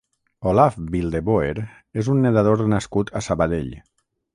Olaf Wildeboer és un nedador nascut a Sabadell.